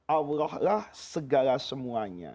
allah lah segala semuanya